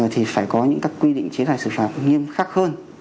thì phải có những các quy định chế tài xử phạt nghiêm khắc hơn